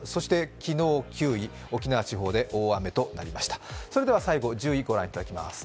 昨日、９位、沖縄地方で大雨となりました。